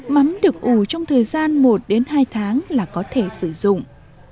mắm được ủ trong thời gian một đến hai tháng là có thể sử dụng